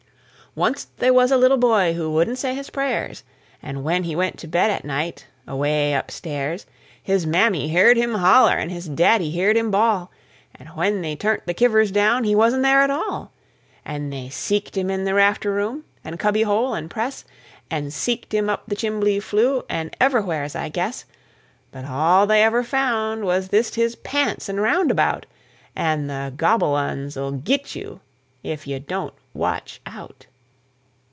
Onc't they was a little boy wouldn't say his pray'rs An' when he went to bed at night, away up stairs, His mammy heerd him holler, an' his daddy heerd him bawl, An' when they turn't the kivvers down, he wasn't there at all! An' they seeked him in the rafter room, an' cubby hole, an' press, An' seeked him up the chimbly flue, an' ever' wheres, I guess; But all they ever found was thist his pants an' roundabout! An' the Gobble uns'll git you Ef you Don't Watch Out!